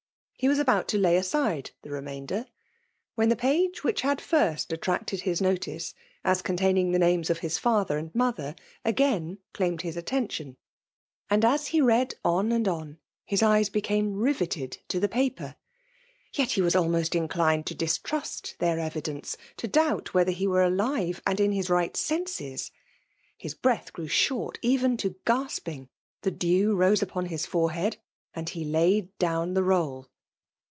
He wa« about to lay aside theremamdOT, when^ the page which had first attracted hk notice as containing the names of his Isliier and mother, again claimed his attention; and SB fae read on and on, his eyes became riveted t^ the paper. Yet he was almost inclined to distrust their evidence :— to doubt whether he were alive and in his right senses!— 'Ifis breath grew short, even to gasping^ ihe dew rose upon his forehead; — and he laid down the roll.